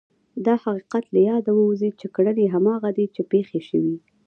دا حقیقت له یاده ووځي چې کړنې هماغه دي چې پېښې شوې.